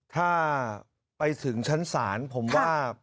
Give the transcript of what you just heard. ถ้าไปถึงชั้นศาลผมว่า